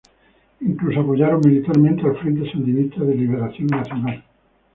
Incluso apoyaron militarmente al Frente Sandinista de Liberación Nacional.